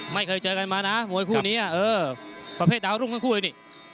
ไม่เคยเจอกันมานะมวยคู่นี้เออประเภทดาวรุ่งทั้งคู่เลยนี่